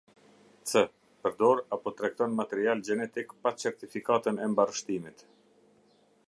C. Përdor apo tregton material gjenetik pa çertifikatën e mbarështimit.